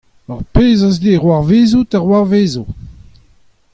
Ar pezh a zle c'hoarvezout a c'hoarvezo.